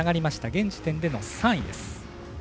現時点での３位です。